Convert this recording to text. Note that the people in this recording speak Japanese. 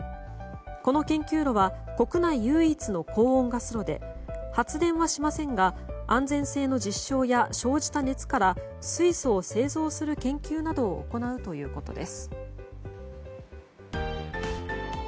この研究炉は国内唯一の高温ガス炉で発電はしませんが安全性の実証や生じた熱から水素を製造する研究などを行うということです。